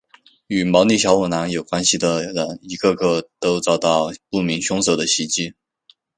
与毛利小五郎有关系的人一个个都遭到不明凶手的袭击。